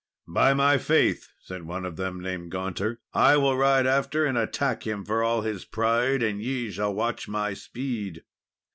"By my faith!" said one of them, named Gaunter, "I will ride after and attack him for all his pride, and ye shall watch my speed."